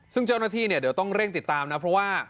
ซึ่งเจ้าหน้าที่เนี่ยเดี๋ยวต้องเร่งติดตามนะเพราะว่า